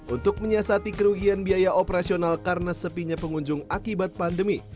untuk menyiasati kerugian biaya operasional karena sepinya pengunjung akibat pandemi